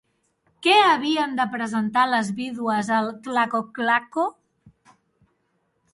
Què havien de presentar les vídues al Tlacochcalco?